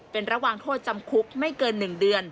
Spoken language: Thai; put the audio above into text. เป็นระหว่างโทษจำคุกไม่เกิน๑เดือน